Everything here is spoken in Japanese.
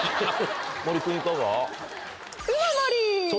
森君いかが？